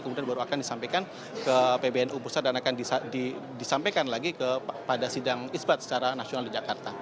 kemudian baru akan disampaikan ke pbnu pusat dan akan disampaikan lagi pada sidang isbat secara nasional di jakarta